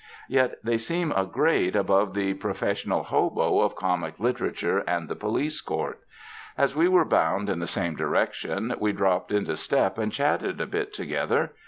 Yet they seem a grade above the 143 UNDER THE SKY IN CALIFORNIA professional hobo of comic literature and the police court. As we were bound in the same direction, we dropped into step and chatted a bit together.